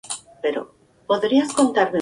La versión descapotable no se comercializó.